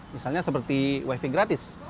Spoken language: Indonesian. misalnya seperti waiving gratis